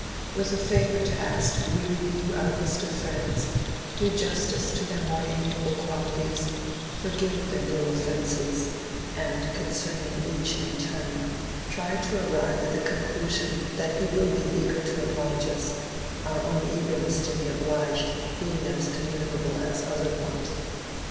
With a favor to ask we review our list of friends, do justice to their more amiable qualities, forgive their little offenses, and concerning each in turn, try to arrive at the conclusion that he will be eager to oblige us, our own eagerness to be obliged being as communicable as other warmth.